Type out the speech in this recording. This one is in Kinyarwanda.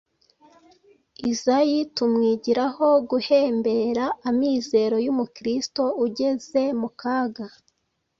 Izayi tumwigiraho guhembera amizero y‟umukristu ugeze mu kaga